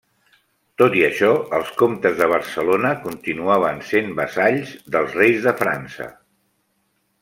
Tot i això, els comtes de Barcelona continuaven sent vassalls dels reis de França.